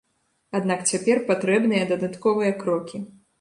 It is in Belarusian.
Аднак цяпер патрэбныя дадатковыя крокі.